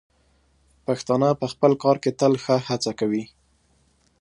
پښتانه په خپل کار کې تل ښه هڅه کوي.